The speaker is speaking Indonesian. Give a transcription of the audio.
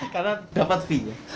karena dapat fee nya